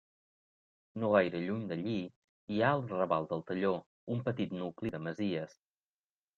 No gaire lluny d'allí hi ha el raval del Talló, un petit nucli de masies.